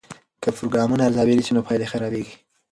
که پروګرامونه ارزیابي نسي نو پایلې یې خرابیږي.